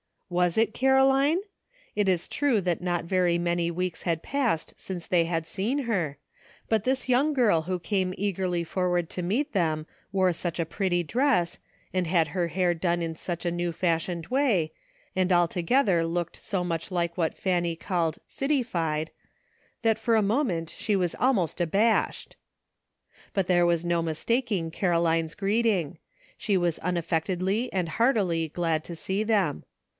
Was it Caroline? It is true that not very many weeks had passed since they had seen her, but this young girl who came eagerly forward to meet them wore such a pretty dress, and had her hair done in such a new fashioned way, and altogether looked so much like what Fanny called '' cityfied " that for a moment she was almost abashed. But there was no mistaking Caroline's greet' ing. She was unaffectedly and heartily glad to see them.